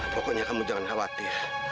pokoknya kamu jangan khawatir